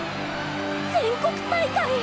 全国大会！